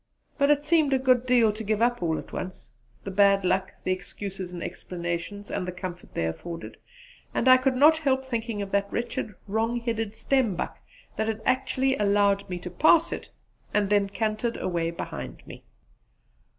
But it seemed a good deal to give up all at once the bad luck, the excuses and explanations, and the comfort they afforded; and I could not help thinking of that wretched wrong headed stembuck that had actually allowed me to pass it, and then cantered away behind me.